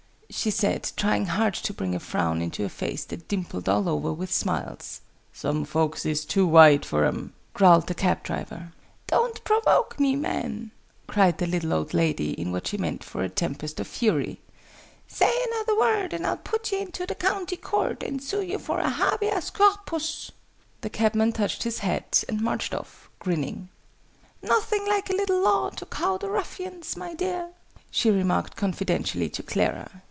she said, trying hard to bring a frown into a face that dimpled all over with smiles. "Some folks is too wide for 'em," growled the cab driver. [Illustration: "I TELL YOU THE CAB DOOR ISN'T HALF WIDE ENOUGH!"] "Don't provoke me, man!" cried the little old lady, in what she meant for a tempest of fury. "Say another word and I'll put you into the County Court, and sue you for a Habeas Corpus!" The cabman touched his hat, and marched off, grinning. "Nothing like a little Law to cow the ruffians, my dear!" she remarked confidentially to Clara.